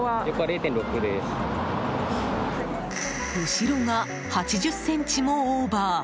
後ろが８０ｃｍもオーバー。